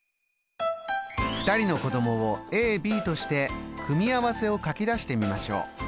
２人の子どもをＡＢとして組み合わせを書き出してみましょう。